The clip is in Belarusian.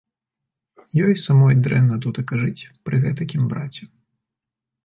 Ёй і самой дрэнна тутака жыць пры гэтакім браце.